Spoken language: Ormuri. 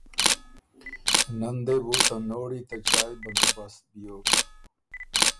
نۀ ن دې بو ته نوړی ته چایٛ بندوبست بیوک،